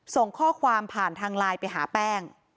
ส่งข้อความผ่านทางไลน์ไปหาแป้ง